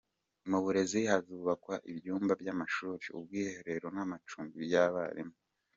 Mu burezi hazubakwa ibyumba by’amashuri, ubwiherero n’amacumbi y’abarimu.